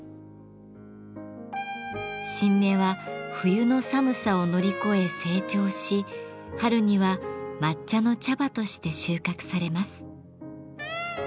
新芽は冬の寒さを乗り越え成長し春には抹茶の茶葉として収穫されます。